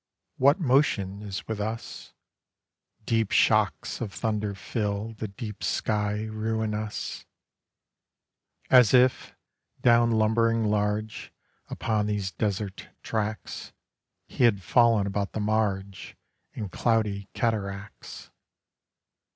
What motion is with us? Deep shocks of thunder fill The deep sky ruinous; As if, down lumbering large Upon these desert tracts, He had fallen about the marge In cloudy cataracts.